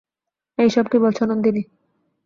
এইসব কি বলছো, নন্দিনী?